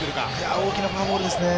大きなフォアボールですね。